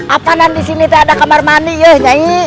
apa nanti disini tuh ada kamar mandi ya nyai